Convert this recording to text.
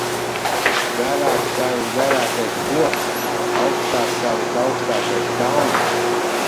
Garāks kā visgarākais koks, augstāks kā visaugstākais kalns.